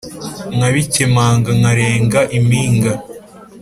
Nkabikempanga nkarenga impinga